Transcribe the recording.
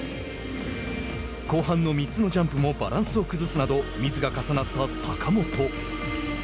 後半の３つのジャンプもバランスを崩すなどミスが重なった坂本。